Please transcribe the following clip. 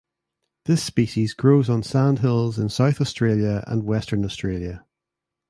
This species grows on sand hills in South Australia and Western Australia.